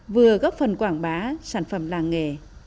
vừa góp phần quảng bá sản phẩm làng nghề